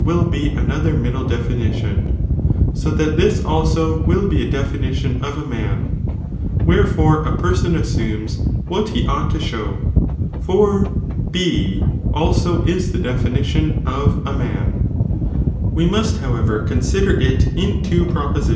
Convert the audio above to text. will be another middle definitioo, so that this also will be a definition of a man, wherefore a person assumes what he ought to show, for B eiso u the definition of We must however consider if in two propoai i.